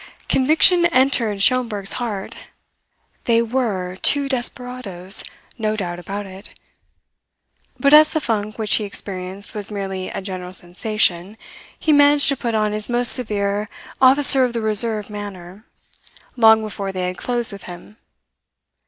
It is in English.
Conviction entered Schomberg's heart. They were two desperadoes no doubt about it. But as the funk which he experienced was merely a general sensation, he managed to put on his most severe Officer of the Reserve manner, long before they had closed with him.